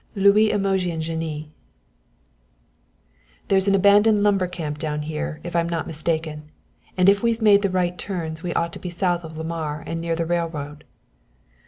Louise Imogen Guiney. "There's an abandoned lumber camp down here, if I'm not mistaken, and if we've made the right turns we ought to be south of Lamar and near the railroad."